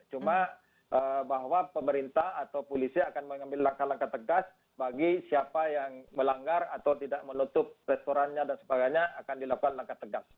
cuma bahwa pemerintah atau polisi akan mengambil langkah langkah tegas bagi siapa yang melanggar atau tidak menutup restorannya dan sebagainya akan dilakukan langkah tegas